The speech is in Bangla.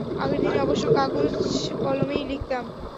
আগের দিনে অবশ্য কাগজ-কলমেই লিখতাম।